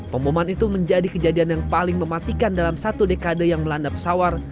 pengumuman itu menjadi kejadian yang paling mematikan dalam satu dekade yang melanda pesawar